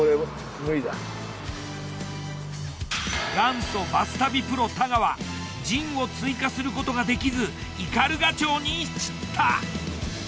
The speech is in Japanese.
元祖バス旅プロ太川陣を追加することができず斑鳩町に散った。